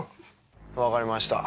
わかりました。